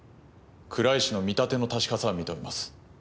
倉石の見立ての確かさは認めます。